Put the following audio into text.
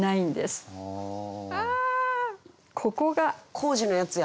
工事のやつや！